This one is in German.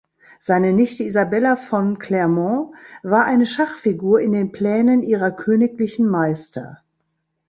Seine Nichte Isabella von Clermont war eine Schachfigur in den Plänen ihrer königlichen Meister.